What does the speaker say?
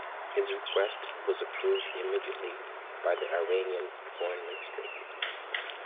His request was approved immediately by the Iranian Foreign Ministry.